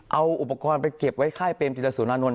เอาอุปกรณ์ไปเก็บไว้ใคร่เป็นปริศนสุนานนล